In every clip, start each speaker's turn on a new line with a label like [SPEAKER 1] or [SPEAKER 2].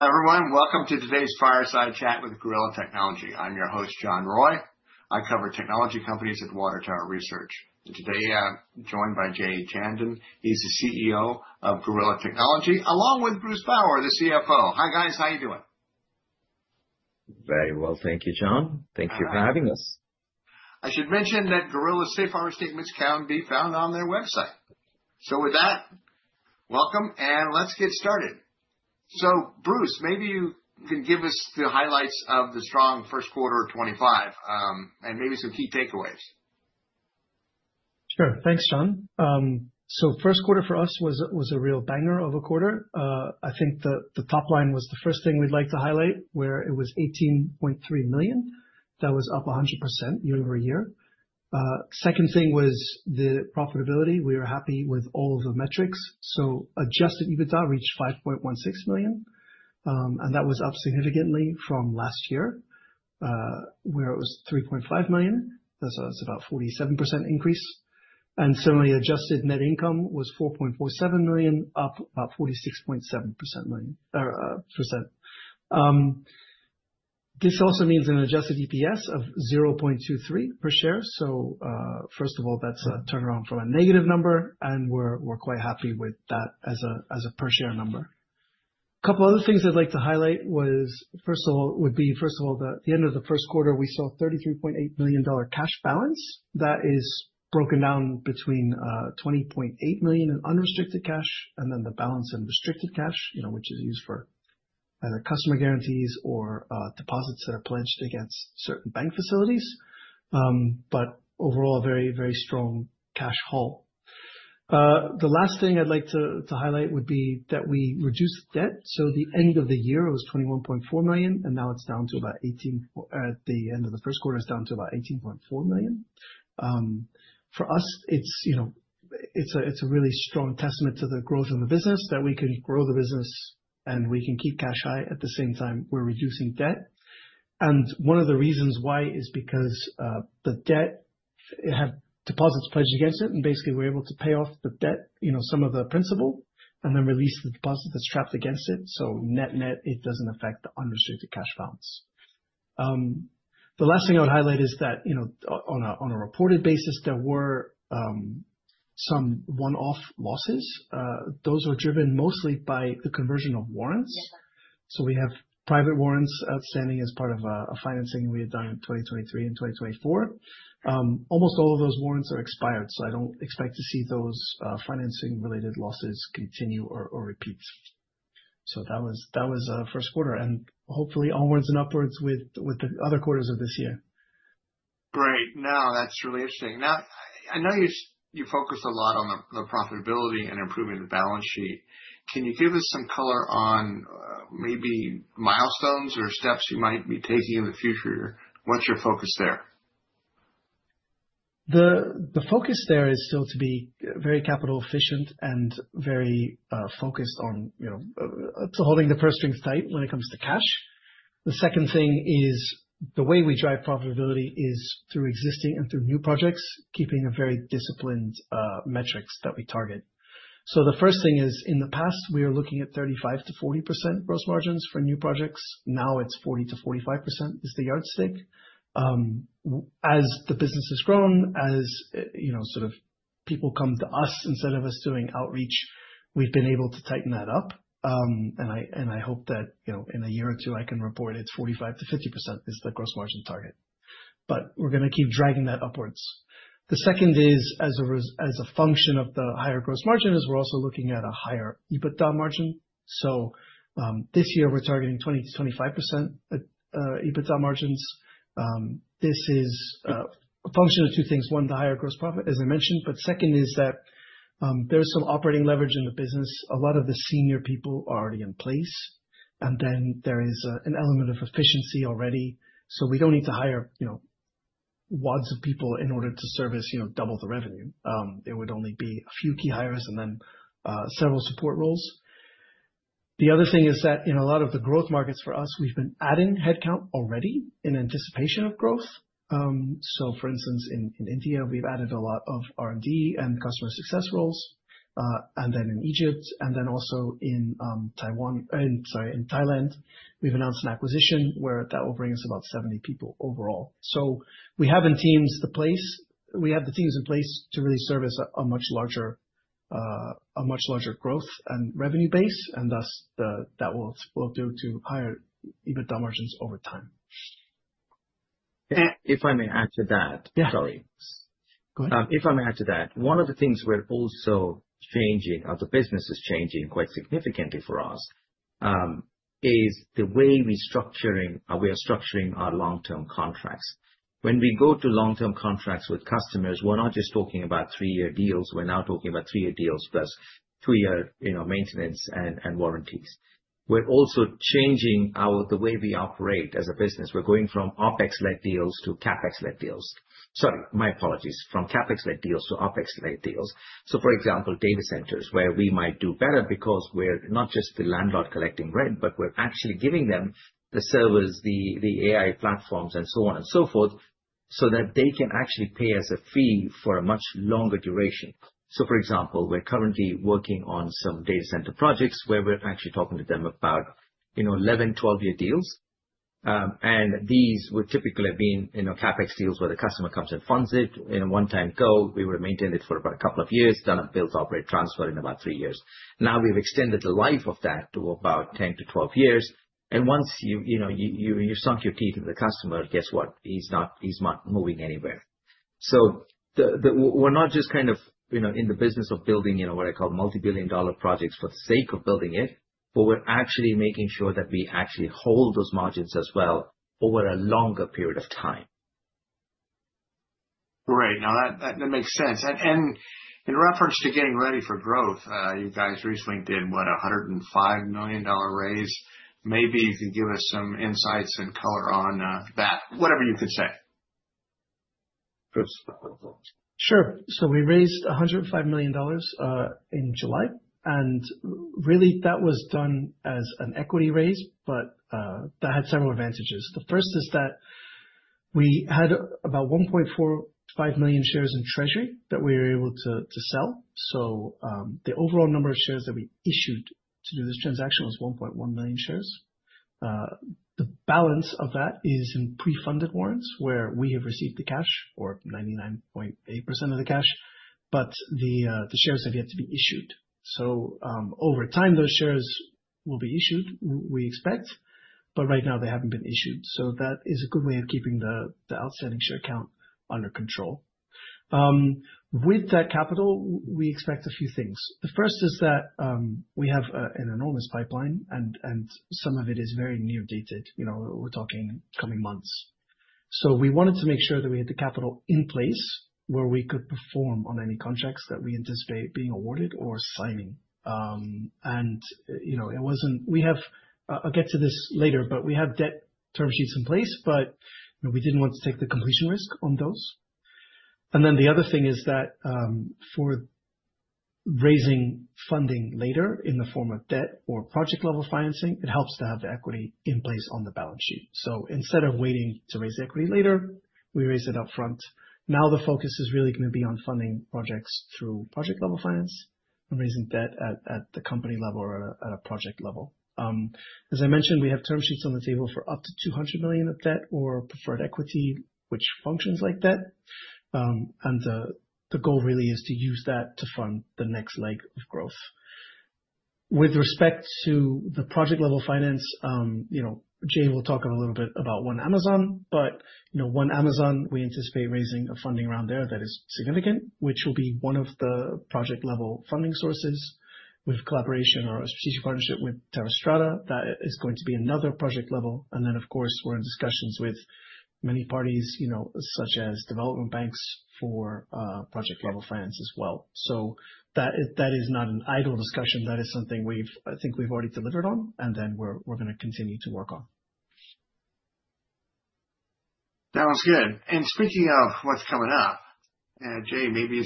[SPEAKER 1] Everyone, welcome to today's fireside chat with Gorilla Technology. I'm your host, John Roy. I cover technology companies at Water Tower Research. Today, I'm joined by Jay Chandan. He's the CEO of Gorilla Technology, along with Bruce Bower, the CFO. Hi guys, how are you doing?
[SPEAKER 2] Very well, thank you, John. Thank you for having us.
[SPEAKER 1] I should mention that Gorilla's safe harbor statements can be found on their website. With that, welcome, and let's get started. Bruce, maybe you can give us the highlights of the strong first quarter of 2025 and maybe some key takeaways.
[SPEAKER 2] Sure, thanks, John. First quarter for us was a real banger of a quarter. I think the top line was the first thing we'd like to highlight, where it was $18.3 million. That was up 100% year-over-year. Second thing was the profitability. We were happy with all of the metrics. Adjusted EBITDA reached $5.16 million, and that was up significantly from last year, where it was $3.5 million. That's about a 47% increase. Similarly, adjusted net income was $4.47 million, up about 46.7%. This also means an adjusted EPS of $0.23 per share. First of all, that's a turnaround from a negative number, and we're quite happy with that as a per share number. A couple of other things I'd like to highlight would be, first of all, at the end of the first quarter, we saw a $33.8 million cash balance. That is broken down between $20.8 million in unrestricted cash, and then the balance in restricted cash, which is used for either customer guarantees or deposits that are pledged against certain bank facilities. Overall, a very, very strong cash haul. The last thing I'd like to highlight would be that we reduced debt. At the end of the year, it was $21.4 million, and now it's down to about $18.4 million at the end of the first quarter. For us, it's a really strong testament to the growth in the business that we can grow the business and we can keep cash high at the same time we're reducing debt. One of the reasons why is because the debt had deposits pledged against it, and basically we're able to pay off the debt, some of the principal, and then release the deposit that's trapped against it. Net-net, it doesn't affect the unrestricted cash balance. The last thing I would highlight is that, on a reported basis, there were some one-off losses. Those were driven mostly by the conversion of warrants. We have private warrants outstanding as part of a financing we had done in 2023 and 2024. Almost all of those warrants are expired, so I don't expect to see those financing-related losses continue or repeat. That was first quarter, and hopefully onwards and upwards with the other quarters of this year.
[SPEAKER 1] Right. No, that's really interesting. Now, I know you focus a lot on the profitability and improving the balance sheet. Can you give us some color on, maybe milestones or steps you might be taking in the future? What's your focus there?
[SPEAKER 2] The focus there is still to be very capital efficient and very focused on, you know, holding the purse strings tight when it comes to cash. The second thing is the way we drive profitability is through existing and through new projects, keeping a very disciplined metrics that we target. The first thing is in the past, we were looking at 35%-40% gross margins for new projects. Now it's 40%-45% is the yardstick. As the business has grown, as, you know, sort of people come to us instead of us doing outreach, we've been able to tighten that up. I hope that, you know, in a year or two, I can report it's 45%-50% is the gross margin target. We're going to keep dragging that upwards. The second is, as a function of the higher gross margin, we're also looking at a higher EBITDA margin. This year we're targeting 20%-25% EBITDA margins. This is a function of two things. One, the higher gross profit, as I mentioned, but second is that there's some operating leverage in the business. A lot of the senior people are already in place. There is an element of efficiency already. We don't need to hire, you know, wads of people in order to service, you know, double the revenue. It would only be a few key hires and then several support roles. The other thing is that in a lot of the growth markets for us, we've been adding headcount already in anticipation of growth. For instance, in India, we've added a lot of R&D and customer success roles, and then in Egypt, and then also in Taipei, and sorry, in Thailand, we've announced an acquisition where that will bring us about 70 people overall. We have the teams in place to really service a much larger, a much larger growth and revenue base, and thus that will do to higher EBITDA margins over time.
[SPEAKER 3] If I may add to that, sorry.
[SPEAKER 2] Go ahead.
[SPEAKER 3] If I may add to that, one of the things we're also changing as the business is changing quite significantly for us is the way we are structuring our long-term contracts. When we go to long-term contracts with customers, we're not just talking about three-year deals. We're now talking about three-year deals plus two-year, you know, maintenance and warranties. We're also changing the way we operate as a business. We're going from OpEx-led deals to CapEx-led deals. Sorry, my apologies, from CapEx-led deals to OpEx-led deals. For example, data centers, where we might do better because we're not just the landlord collecting rent, but we're actually giving them the service, the AI platforms, and so on and so forth, so that they can actually pay us a fee for a much longer duration. For example, we're currently working on some data center projects where we're actually talking to them about, you know, 11, 12-year deals. These would typically have been, you know, CapEx deals where the customer comes and funds it in a one-time go. We were maintaining it for about a couple of years, done a build-to-operate transfer in about three years. Now we've extended the life of that to about 10 to 12 years. Once you, you know, you sunk your key to the customer, guess what? He's not, he's not moving anywhere. We're not just kind of, you know, in the business of building, you know, what I call multi-billion dollar projects for the sake of building it, but we're actually making sure that we actually hold those margins as well over a longer period of time.
[SPEAKER 1] Right. No, that makes sense. In reference to getting ready for growth, you guys recently did, what, a $105 million raise. Maybe you can give us some insights and color on that, whatever you can say.
[SPEAKER 2] Sure. We raised $105 million in July. That was done as an equity raise, but that had several advantages. The first is that we had about 1.45 million shares in treasury that we were able to sell. The overall number of shares that we issued to do this transaction was 1.1 million shares. The balance of that is in pre-funded warrants where we have received the cash, or 99.8% of the cash, but the shares have yet to be issued. Over time, those shares will be issued, we expect, but right now they haven't been issued. That is a good way of keeping the outstanding share count under control. With that capital, we expect a few things. The first is that we have an enormous pipeline, and some of it is very new, dated, you know, we're talking in the coming months. We wanted to make sure that we had the capital in place where we could perform on any contracts that we anticipate being awarded or signing. We have debt term sheets in place, but we didn't want to take the completion risk on those. The other thing is that, for raising funding later in the form of debt or project-level financing, it helps to have the equity in place on the balance sheet. Instead of waiting to raise the equity later, we raise it up front. Now the focus is really going to be on funding projects through project-level finance and raising debt at the company level or at a project level. As I mentioned, we have term sheets on the table for up to $200 million of debt or preferred equity, which functions like debt. The goal really is to use that to fund the next leg of growth. With respect to the project-level finance, Jay will talk a little bit about O.N.E. Amazon, but O.N.E. Amazon we anticipate raising a funding round there that is significant, which will be one of the project-level funding sources with collaboration or a strategic partnership with Terra Strata. That is going to be another project level. We are in discussions with many parties, such as development banks for project-level finance as well. That is not an idle discussion. That is something we've already delivered on, and we are going to continue to work on.
[SPEAKER 1] That was good. Speaking of what's coming up, Jay, maybe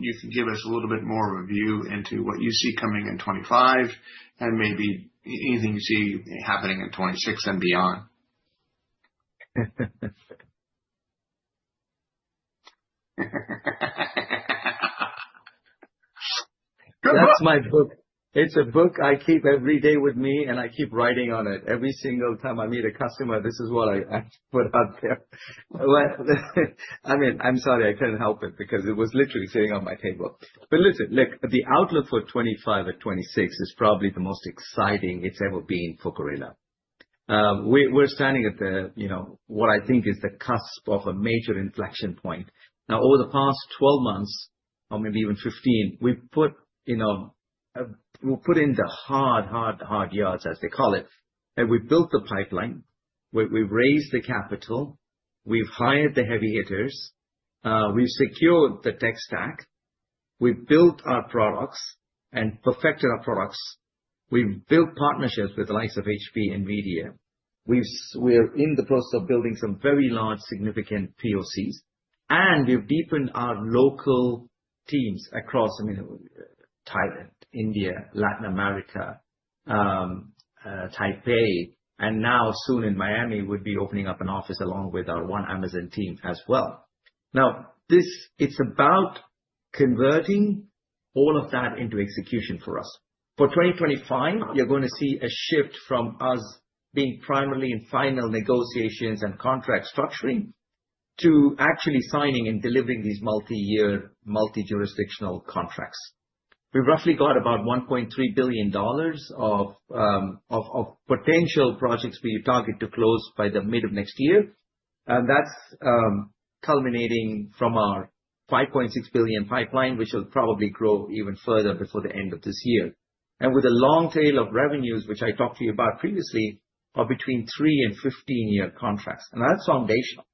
[SPEAKER 1] you can give us a little bit more of a view into what you see coming in 2025 and maybe anything you see happening in 2026 and beyond.
[SPEAKER 3] That's my book. It's a book I keep every day with me, and I keep writing on it. Every single time I meet a customer, this is what I put out there. I'm sorry, I couldn't help it because it was literally sitting on my table. Listen, look, the outlook for 2025 and 2026 is probably the most exciting it's ever been for Gorilla. We're standing at the, you know, what I think is the cusp of a major inflection point. Over the past 12 months, or maybe even 15, we've put in the hard, hard, hard yards, as they call it. We've built the pipeline. We've raised the capital. We've hired the heavy hitters. We've secured the tech stack. We've built our products and perfected our products. We've built partnerships with the likes of HP and Nvidia. We're in the process of building some very large, significant POCs. We've deepened our local teams across Thailand, India, Latin America, Taipei, and now soon in Miami, we'll be opening up an office along with our O.N.E. Amazon team as well. This, it's about converting all of that into execution for us. For 2025, you're going to see a shift from us being primarily in final negotiations and contract structuring to actually signing and delivering these multi-year, multi-jurisdictional contracts. We've roughly got about $1.3 billion of potential projects we target to close by the mid of next year. That's culminating from our $5.6 billion pipeline, which will probably grow even further before the end of this year. With a long tail of revenues, which I talked to you about previously, are between three and 15-year contracts. That's foundational.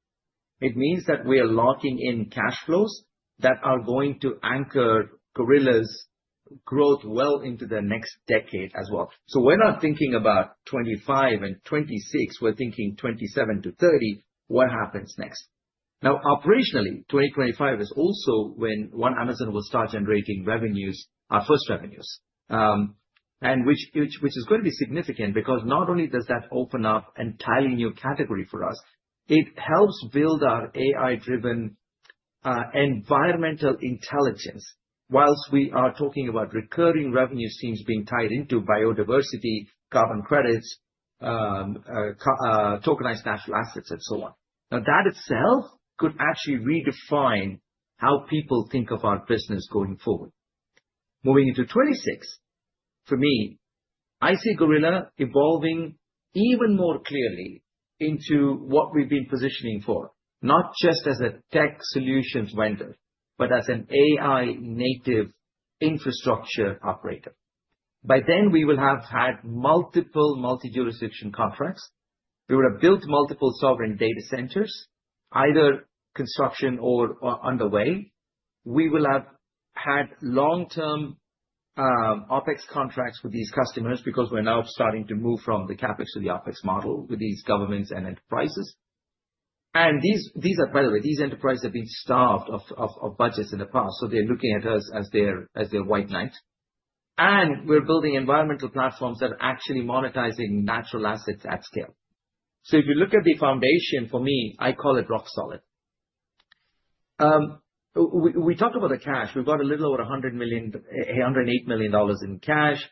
[SPEAKER 3] It means that we are locking in cash flows that are going to anchor Gorilla's growth well into the next decade as well. We're not thinking about 2025 and 2026. We're thinking 2027 to 2030. What happens next? Operationally, 2025 is also when O.N.E. Amazon will start generating revenues, our first revenues, which is going to be significant because not only does that open up an entirely new category for us, it helps build our AI-driven environmental intelligence whilst we are talking about recurring revenue streams being tied into biodiversity, carbon credits, tokenized natural assets, and so on. That itself could actually redefine how people think of our business going forward. Moving into 2026, for me, I see Gorilla evolving even more clearly into what we've been positioning for, not just as a tech solutions vendor, but as an AI-native infrastructure operator. By then, we will have had multiple multi-jurisdiction contracts. We would have built multiple sovereign data centers, either construction or underway. We will have had long-term OPEX contracts with these customers because we're now starting to move from the CAPEX to the OPEX model with these governments and enterprises. These enterprises have been starved of budgets in the past, so they're looking at us as their white knight. We're building environmental platforms that are actually monetizing natural assets at scale. If you look at the foundation, for me, I call it rock solid. We talked about the cash. We've got a little over $108 million in cash,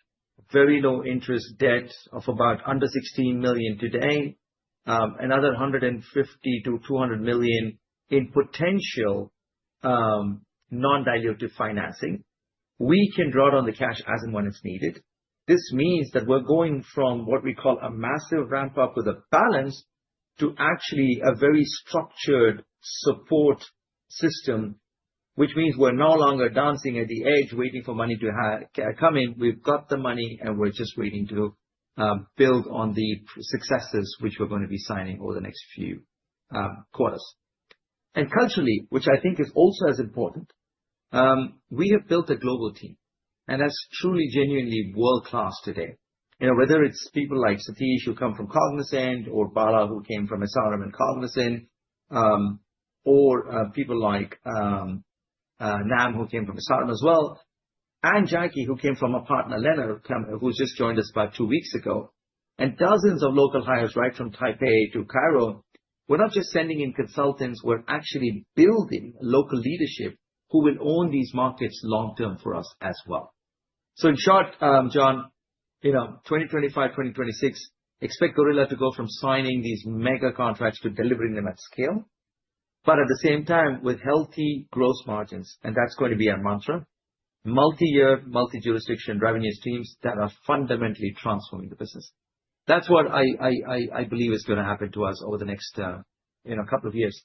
[SPEAKER 3] very low interest debts of about under $16 million today, another $150 million-$200 million in potential non-dilutive financing. We can draw it on the cash as and when it's needed. This means that we're going from what we call a massive ramp-up with a balance to actually a very structured support system, which means we're no longer dancing at the edge waiting for money to come in. We've got the money, and we're just waiting to build on the successes which we're going to be signing over the next few quarters. Culturally, which I think is also as important, we have built a global team, and that's truly, genuinely world-class today. Whether it's people like Satish who come from Cognizant or Bala who came from Cognizant, or people like Nam who came from Cognizant as well, and Jackie who came from our partner, Lena, who just joined us about two weeks ago, and dozens of local hires right from Taipei to Cairo. We're not just sending in consultants. We're actually building local leadership who will own these markets long-term for us as well. In short, John, 2025, 2026, expect Gorilla to go from signing these mega contracts to delivering them at scale, but at the same time with healthy gross margins, and that's going to be our mantra, multi-year, multi-jurisdiction revenue streams that are fundamentally transforming the business. That's what I believe is going to happen to us over the next couple of years.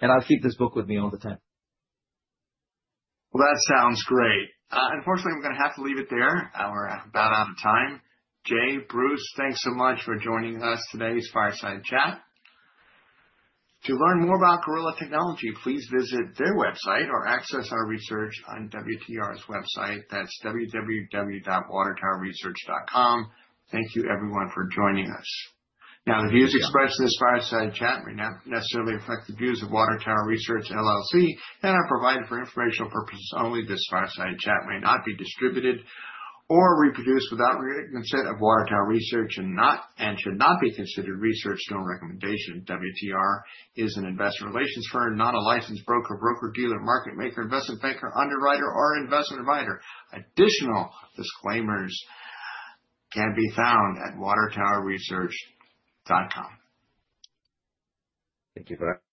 [SPEAKER 3] I'll keep this book with me all the time.
[SPEAKER 1] That sounds great. Unfortunately, we're going to have to leave it there. We're about out of time. Jay, Bruce, thanks so much for joining us today's fireside chat. To learn more about Gorilla Technology, please visit their website or access our research on WTR's website. That's www.watertowerresearch.com. Thank you, everyone, for joining us. The views expressed in this fireside chat may not necessarily reflect the views of Water Tower Research LLC and are provided for informational purposes only. This fireside chat may not be distributed or reproduced without the consent of Water Tower Research and should not be considered research or a recommendation. WTR is an investor relations firm, not a licensed broker, broker-dealer, market-maker, investment banker, underwriter, or investment advisor. Additional disclaimers can be found at watertowerresearch.com.
[SPEAKER 2] Thank you, bud.